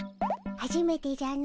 はじめてじゃの。